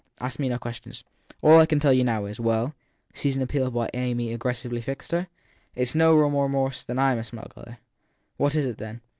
Ask me no questions. All I can tell you now is Well ? Susan appealed while Amy impressively fixed her. It s no more remorse than / m a smuggler. What is it then?